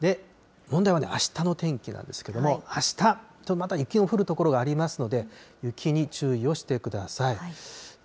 問題はね、あしたの天気なんですけども、あした、ちょっとまた雪の降る所がありますので、雪に注意をしてください。